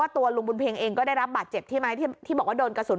ตัวลุงบุญเพ็งเองก็ได้รับบาดเจ็บใช่ไหมที่บอกว่าโดนกระสุน